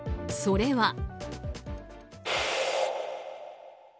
それは。